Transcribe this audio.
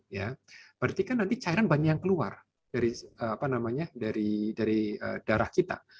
ya berarti kan nanti cairan banyak yang keluar dari darah kita